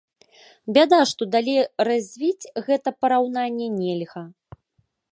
Бяда, што далей развіць гэта параўнанне нельга.